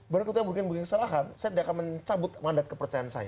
baru ketika mungkin mungkin kesalahan saya tidak akan mencabut mandat kepercayaan saya